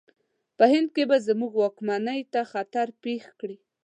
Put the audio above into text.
په هند کې به زموږ واکمنۍ ته خطر پېښ کړي.